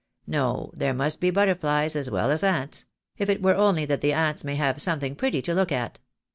No, there must be butterflies as well as ants — if it were only that the ants may have something pretty to look at.